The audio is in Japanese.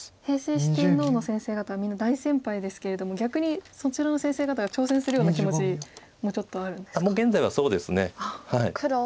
平成四天王の先生方はみんな大先輩ですけれども逆にそちらの先生方が挑戦するような気持ちもちょっとあるんですか。